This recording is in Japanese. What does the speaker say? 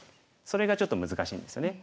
それがちょっと難しいんですよね。